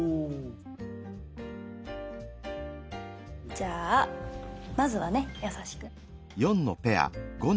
じゃあまずはねやさしく。